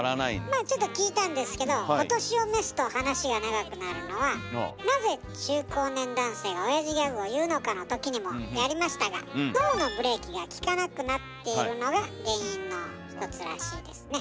まあちょっと聞いたんですけどお年を召すと話が長くなるのは「なぜ中高年男性がおやじギャグを言うのか」のときにもやりましたが脳のブレーキがきかなくなっているのが原因の一つらしいですね。